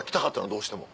どうしても。